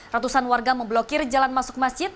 ratusan warga memblokir jalan masuk masjid